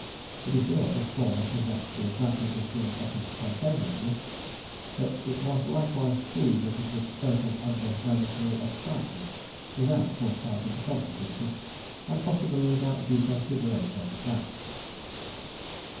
To be sure, the former possessed the advantage of being uttered spontaneously; but it was likewise true that it was spoken under momentary excitement, without foresight of the consequences, and possibly without due consideration of the facts.